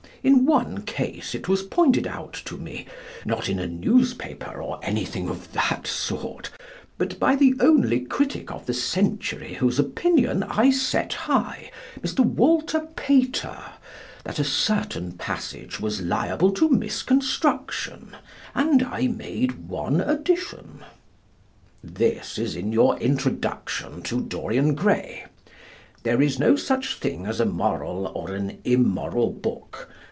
In one case it was pointed out to me not in a newspaper or anything of that sort, but by the only critic of the century whose opinion I set high, Mr. Walter Pater that a certain passage was liable to misconstruction, and I made one addition. This is in your introduction to "Dorian Gray": "There is no such thing as a moral or an immoral book.